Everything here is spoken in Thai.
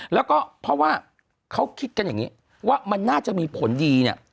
แล้วก็เพราะว่าเขาคิดกันอย่างนี้ว่ามันน่าจะมีผลดีเนี่ย